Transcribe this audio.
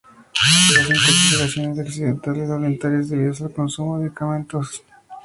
Las intoxicaciones accidentales o voluntarias debidas al consumo de medicamentos son las más frecuentes.